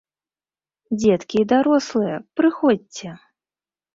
Дзеткі і дарослыя, прыходзьце!